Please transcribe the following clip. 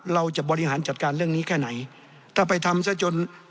เราจะบริหารจัดการเรื่องนี้แค่ไหนถ้าไปทำซะจน